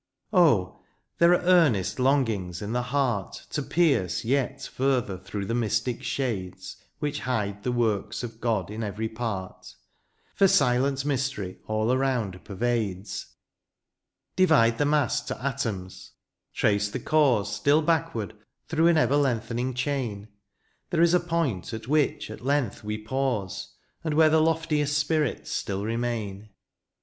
143 XXIV. Oh ! there are earnest longings in the heart To pierce yet further through the mystic shades Which hide the works of God in every part : For silent mystery all around pervades. Divide the mass to atoms — ^trace the cause Still backward through an ever lengthening chain^ There is a pomt at which at length we pause, And where the loftiest spirits still remain.